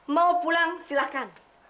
mau pulang silahkan